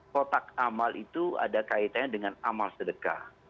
kotak amal itu ada kaitannya dengan amal sedekah